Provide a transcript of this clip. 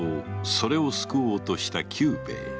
それを救おうとした久兵衛